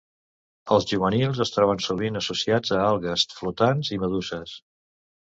Els juvenils es troben sovint associats a algues flotants i meduses.